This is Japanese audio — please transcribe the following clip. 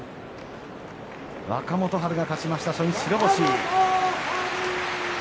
若元春が勝ちました初日白星です。